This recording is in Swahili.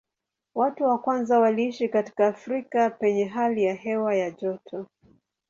Watu wa kwanza waliishi katika Afrika penye hali ya hewa ya joto.